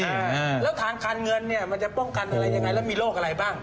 อ่าแล้วทางการเงินเนี้ยมันจะป้องกันอะไรยังไงแล้วมีโรคอะไรบ้าง